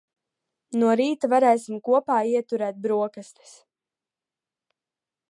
No rīta varēsim kopā ieturēt broksastis.